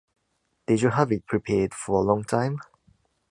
Did you have it prepared for a long time?